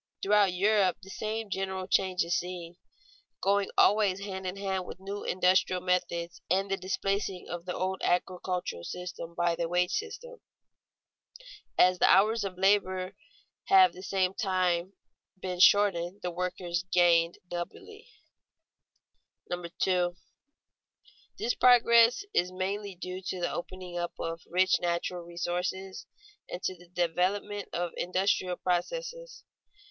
Throughout Europe the same general change is seen, going always hand in hand with new industrial methods and the displacing of the old agricultural system by the wage system. As the hours of labor have at the same time been shortened, the workers have gained doubly. [Sidenote: Need of a broad explanation of rising wages] 2. _This progress is mainly due to the opening up of rich natural resources and to the development of industrial processes.